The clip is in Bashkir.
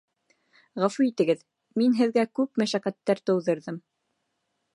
Ғәфү итегеҙ, мин һеҙгә күп мәшәҡәттәр тыуҙырҙым